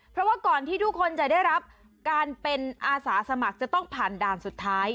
เพราะว่าก่อนที่ทุกคนจะได้รับการเป็นอาสาสมัครจะต้องผ่านด่านสุดท้าย